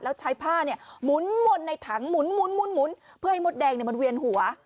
แล้วใช้ผ้าเนี่ยหมุนในถังหมุนเพื่อให้มดแดงเนี่ยมันเวียนหัว